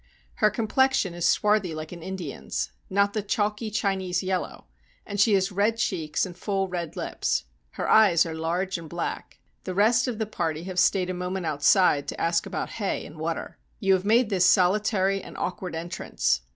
Her complexion is swarthy like an Indian's, not the chalky Chinese yellow, and she has red cheeks and full red lips. Her eyes are large and black. The rest of the party have stayed a moment outside to ask about hay and water. You have made this soHtary and awkward entrance.